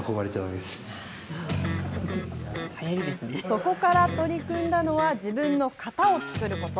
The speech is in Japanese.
そこから取り組んだのは自分の型を作ること。